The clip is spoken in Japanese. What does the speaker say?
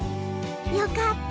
よかった。